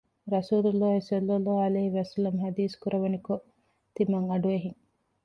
ރަސޫލު ﷲ ﷺ ޙަދީޘް ކުރައްވަނިކޮށް ތިމަން އަޑު އެހިން